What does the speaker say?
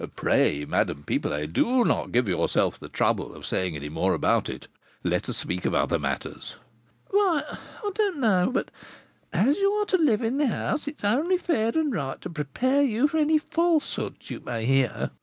"Pray, Madame Pipelet, do not give yourself the trouble of saying any more about it: let us speak of other matters." "Why, I don't know but, as you are to live in the house, it is only fair and right to prepare you for any falsehoods you may hear.